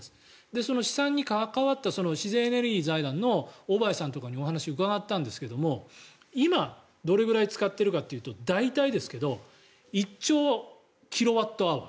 その資産に関わった自然エネルギー財団の大林さんとかにお話を伺ったんですが今、どれくらい使っているかというと大体ですけど１兆キロワットアワー